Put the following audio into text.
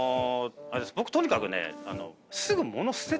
僕とにかくね。